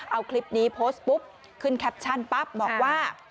เอาคลิปนี้โพสต์ปุ๊บขึ้นแคปชั่นปั๊บบอกว่า